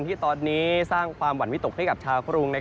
ที่ตอนนี้สร้างความหวั่นวิตกให้กับชาวกรุง